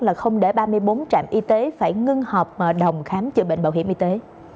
là không để ba mươi bốn trạm y tế phải ngưng họp đồng khám chữa bệnh bảo hiểm y tế